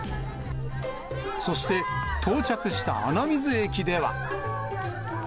そして、到着した穴水駅では。